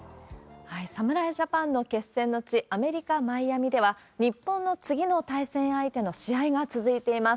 侍ジャパンの決戦後、アメリカ・マイアミでは、日本の次の対戦相手の試合が続いています。